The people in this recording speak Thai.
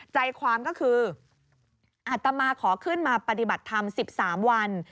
ใจความก็คืออัตมาขอขึ้นมาปฏิบัติธรรม๑๓วัน